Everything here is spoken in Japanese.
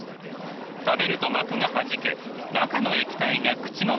食べると膜がはじけ中の液体が口の中で広がります。